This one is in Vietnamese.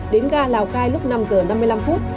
đến gà lào cai lúc năm h năm mươi năm